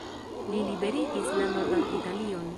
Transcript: Li liberigis la nordan Italion.